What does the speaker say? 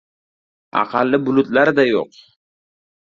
Aqalli bulutlar-da yo‘q.